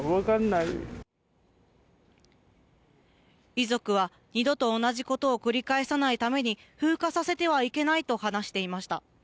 遺族は二度と同じことを繰り返さないために風化させてはいけないと話していました。